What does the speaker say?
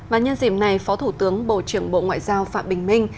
và nhân dịp này phó thủ tướng bộ trưởng bộ ngoại giao phạm bình minh